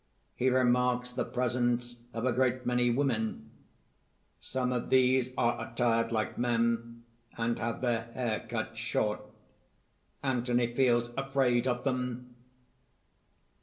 He remarks the presence of a great many women. Some of these are attired like men, and have their hair cut short. Anthony feels afraid of them.